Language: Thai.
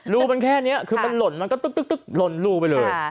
รูมันแค่นี้คือมันหล่นมันก็ตึ๊กหล่นรูไปเลย